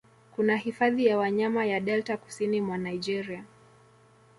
Kuna hifadhi ya wanyama ya Delta kusini mwa Naigeria